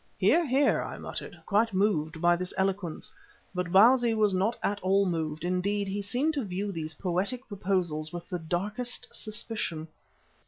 "Hear, hear!" I muttered, quite moved by this eloquence. But Bausi was not at all moved; indeed, he seemed to view these poetic proposals with the darkest suspicion.